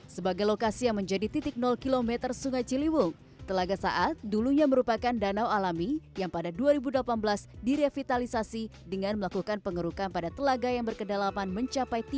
sebagai lokasi yang menjadi titik km sungai ciliwung telaga saat dulunya merupakan danau alami yang pada dua ribu delapan belas direvitalisasi dengan melakukan pengerukan pada telaga yang berkedalaman mencapai tiga meter